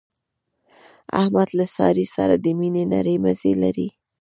احمد له سارې سره د مینې نری مزی لري.